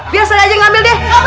biasanya aja ngambil deh